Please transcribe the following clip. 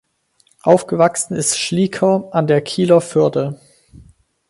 Aufgewachsen ist Schlieker an der Kieler Förde.